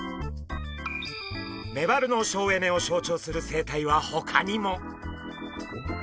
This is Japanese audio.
メバルの省エネを象徴する生態はほかにも。